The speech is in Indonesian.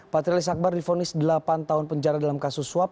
patrialis akbar difonis delapan tahun penjara dalam kasus suap